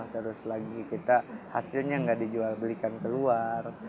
terus lagi kita hasilnya nggak dijual belikan keluar